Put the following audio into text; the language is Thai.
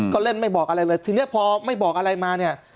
ก็เล่นไม่บอกอะไรเลยทีนี้พอไม่บอกอะไรมาเนี่ย